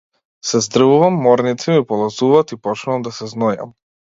Се здрвувам, морници ми полазуваат и почнувам да се знојам.